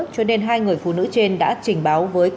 cho nên hai người phụ nữ trên đã trình báo